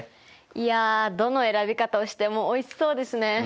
いやどの選び方をしてもおいしそうですね。